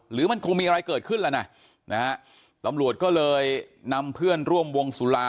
หรือมันคงมีอะไรเกิดขึ้นแล้วนะนะฮะตำรวจก็เลยนำเพื่อนร่วมวงสุรา